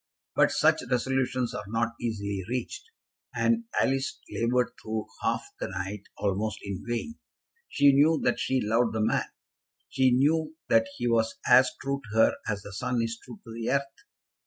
But such resolutions are not easily reached, and Alice laboured through half the night almost in vain. She knew that she loved the man. She knew that he was as true to her as the sun is true to the earth.